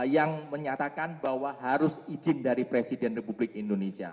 yang menyatakan bahwa harus izin dari presiden republik indonesia